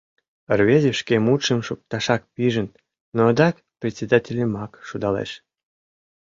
Рвезе шке мутшым шукташак пижын, но адак председательымак шудалеш: